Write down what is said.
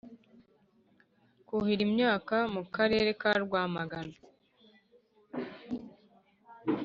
kuhira imyaka mu Karere ka Rwamagana